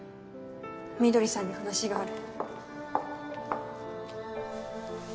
翠さんに話がある。